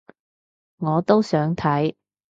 我都想睇